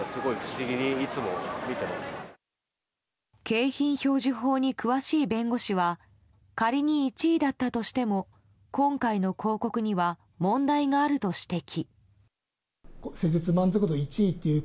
景品表示法に詳しい弁護士は仮に１位だったとしても今回の広告には問題があると指摘。